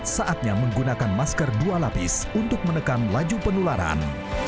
saatnya menggunakan masker dua lapis untuk menekan laju penularan